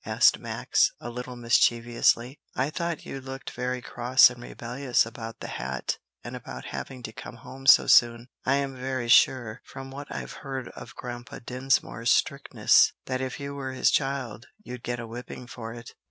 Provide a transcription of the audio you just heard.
asked Max, a little mischievously. "I thought you looked very cross and rebellious about the hat and about having to come home so soon. I'm very sure, from what I've heard of Grandpa Dinsmore's strictness, that if you were his child you'd get a whipping for it."